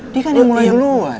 dia kan yang mulai duluan